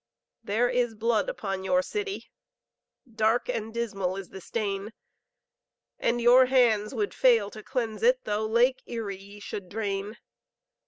There is blood upon your city, Dark and dismal is the stain; And your hands would fail to cleanse it, Though Lake Erie ye should drain.